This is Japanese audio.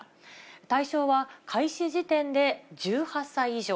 対象は、開始時点で１８歳以上。